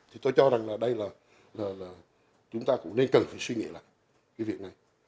thì tôi cho rằng là đây là chúng ta cũng nên cần phải suy nghĩ lại cái việc này